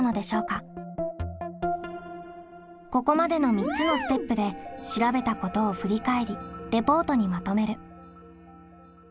ここまでの３つのステップで調べたことを振り返りレポートにまとめる。